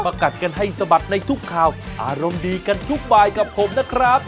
กัดกันให้สะบัดในทุกข่าวอารมณ์ดีกันทุกบายกับผมนะครับ